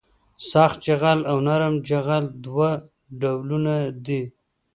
سخت جغل او نرم جغل دوه ډولونه دي